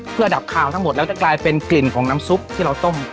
เพื่อดับคาวทั้งหมดแล้วจะกลายเป็นกลิ่นของน้ำซุปที่เราต้ม